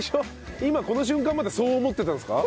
今この瞬間までそう思ってたんですか？